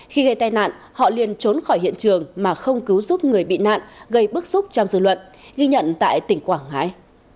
khi gây tai nạn họ liền trốn khỏi hiện trường mà không cứu giúp người bị nạn gây bức xúc trong dư luận ghi nhận tại tỉnh quảng ngãi